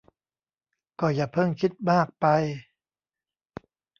ก็อย่าเพิ่งคิดมากไป